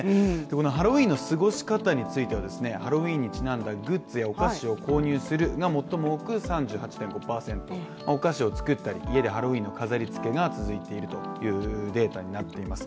ハロウィーンの過ごし方についてはハロウィーンにちなんだグッズやお菓子を購入するが最も多く３８．５％、お菓子を作ったり、家でハロウィーンの飾りつけが続いているというデータになっています。